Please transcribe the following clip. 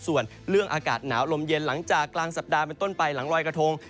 ส่วนเรื่องอากาศหนาวลมเย็นหลังจากกลางสัปดาห์เป็นต้นไปหลังลอยกระทง